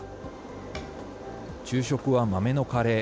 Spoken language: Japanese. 昼食は豆のカレー。